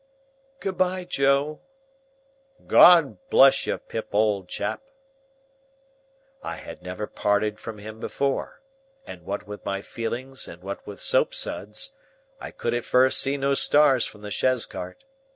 "Good bye, Joe!" "God bless you, Pip, old chap!" I had never parted from him before, and what with my feelings and what with soapsuds, I could at first see no stars from the chaise cart.